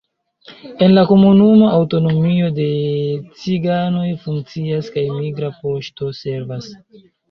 En la komunumo aŭtonomio de ciganoj funkcias kaj migra poŝto servas.